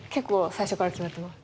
最初から決まってます。